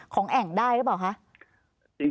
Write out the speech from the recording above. แอ่งได้หรือเปล่าคะ